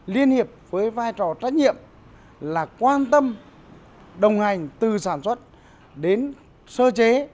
liên hiệp với vai trò trách nhiệm là quan tâm đồng hành từ sản xuất đến sơ chế